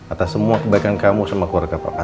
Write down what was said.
atas semua kebaikan kamu sama keluarga bapak